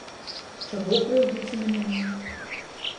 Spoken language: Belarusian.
Чаго крыўдзіцца на мяне?